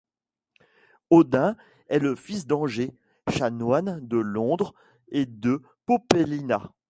Audin est le fils d'Anger, chanoine de Londres et de Popelina.